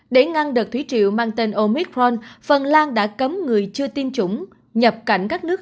để ngăn đợt thủy triệu mang tên omic ron phần lan đã cấm người chưa tiêm chủng nhập cảnh các nước